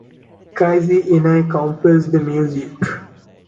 Keiji Inai composed the music.